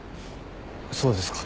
そうですか。